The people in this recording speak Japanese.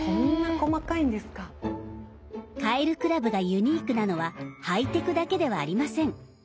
カエル倶楽部がユニークなのはハイテクだけではありません。